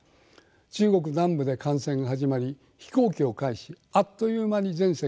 中国南部で感染が始まり飛行機を介しあっという間に全世界に広がりました。